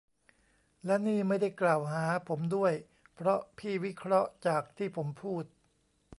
และนี่ไม่ได้กล่าวหาผมด้วย เพราะพี่วิเคราะห์จากที่ผมพูด !